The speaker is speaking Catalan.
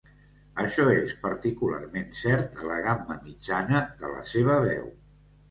Això és particularment cert a la gamma mitjana de la seva veu.